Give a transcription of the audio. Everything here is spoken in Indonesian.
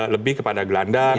lebih kepada gelandang